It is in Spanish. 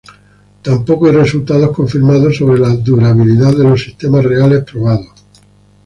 Tampoco hay resultados confirmados sobre la durabilidad de los sistemas reales probados.